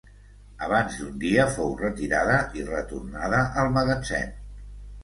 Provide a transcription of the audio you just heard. Abans d'un dia fou retirada i retornada al magatzem.